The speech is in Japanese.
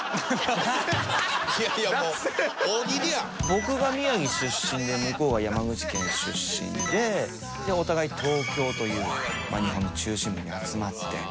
僕が宮城出身で向こうが山口県出身でお互い東京という日本の中心部に集まって。